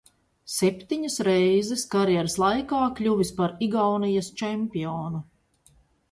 Septiņas reizes karjeras laikā kļuvis par Igaunijas čempionu.